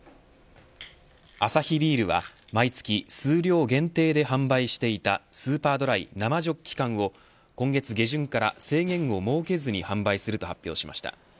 アサヒビールは毎月数量限定で販売していたスーパードライ生ジョッキ缶を今月下旬から制限を設けずに販売すると発表しました。